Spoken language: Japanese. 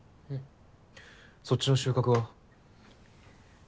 そっちの収穫は？